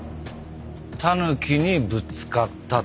たぬきにぶつかったと。